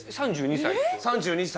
３２歳？